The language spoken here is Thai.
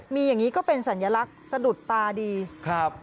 มีอย่างนี้ก็เป็นสัญลักษณ์สดุจริง